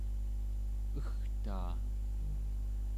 egtaa